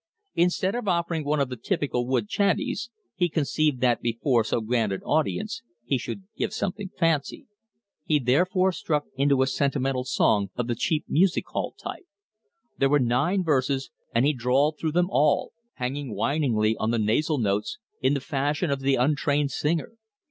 Instead of offering one of the typical woods chanteys, he conceived that before so grand an audience he should give something fancy. He therefore struck into a sentimental song of the cheap music hall type. There were nine verses, and he drawled through them all, hanging whiningly on the nasal notes in the fashion of the untrained singer.